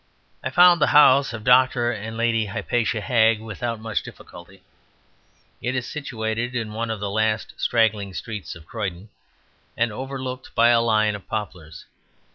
I found the house of Dr. and Lady Hypatia Hagg without much difficulty; it is situated in one of the last straggling streets of Croydon, and overlooked by a line of poplars.